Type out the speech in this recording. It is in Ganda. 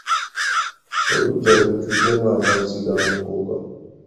Oluggya lujjuddemu amazzi ga mukoka.